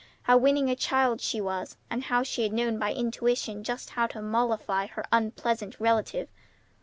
How winning a child she was! and how she had known by intuition just how to mollify her unpleasant relative!